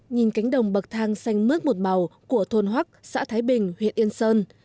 nhìn cánh đồng bậc thang xanh mứt một màu của thôn hoắc xã thái bình huyện yên sơn